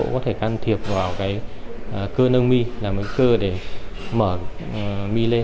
nó có thể can thiệp vào cái cơ nâng mi là một cơ để mở mi lên